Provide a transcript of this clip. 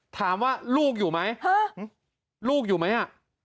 ถามว่าลูกอยู่ไหมลูกอยู่ไหมอ่ะ